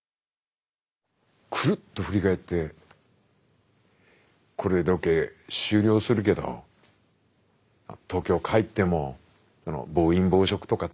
クルッと振り返って「これでロケ終了するけど東京帰っても暴飲暴食とか慎んで。